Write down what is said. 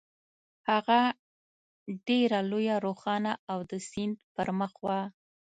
هغه ډېره لویه، روښانه او د سیند پر مخ وه.